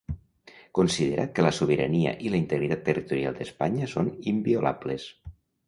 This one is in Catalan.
Considera que ‘la sobirania i la integritat territorial d’Espanya són inviolables’.